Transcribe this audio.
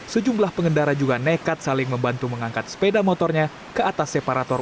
sejumlah pengendara juga nekat saling membantu mengangkat sepeda motornya ke atas separator